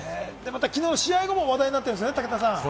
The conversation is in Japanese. きのう、試合後も話題になってるんですよね、武田さん。